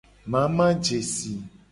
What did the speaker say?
Mamajesi.